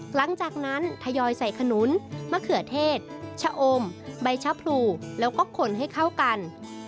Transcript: หลังจากนั้นทยอยใส่ขนุนมะเขือเทศชะอมใบชะพรูแล้วก็ขนให้เข้ากัน